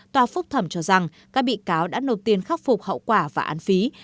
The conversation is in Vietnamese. tòa phúc thẩm cho rằng các bị cáo đã nộp tiền khắc phục hậu quả và án phí